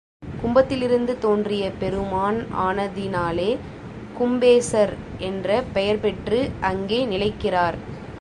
கும்பத்திலிருந்து தோன்றிய பெருமான் ஆனதினாலே கும்பேசர் என்ற பெயர் பெற்று அங்கே நிலைக்கிறார்.